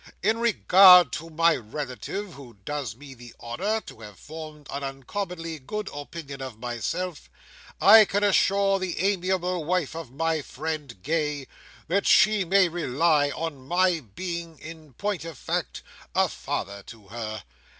In regard to my relative who does me the honour to have formed an uncommonly good opinion of myself, I can assure the amiable wife of my friend Gay, that she may rely on my being, in point of fact, a father to her.